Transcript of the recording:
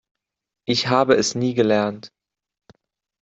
Ich habe es nie gelernt.